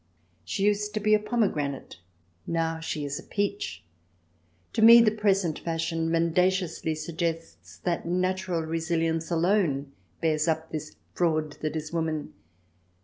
She used to be a pomegranate, now she is a peach. To me the present fashion mendaciously suggests that natural resilience alone bears up this fraud that is woman.